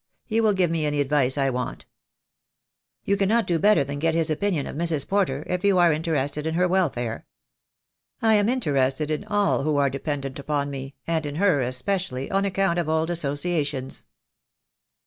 He will give me any advice I want." "You cannot do better than get his opinion of Mrs. Porter, if you are interested in her welfare." "I am interested in all who are dependent upon me, and in her especially, on account of old associations."